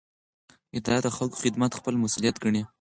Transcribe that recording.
اداره د خلکو خدمت خپل مسوولیت ګڼي.